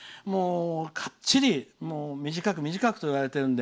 かっちり短く、短くと言われているので。